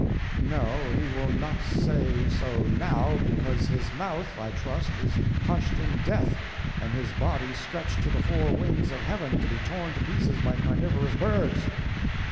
No, he will not say so now, because his mouth, I trust, is hushed in death, and his body stretched to the four winds of heaven, to be torn to pieces by carnivorous birds.